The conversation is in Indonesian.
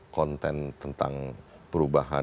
konten tentang perubahan